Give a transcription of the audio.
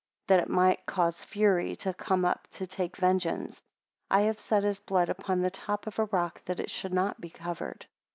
That it might cause fury to come up to take vengeance: I have set his blood upon the top of a rock, that it should not be covered.